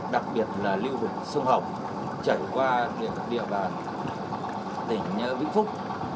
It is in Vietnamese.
đặc biệt là lưu vực sông hồng chảy qua địa bàn tỉnh vĩnh phúc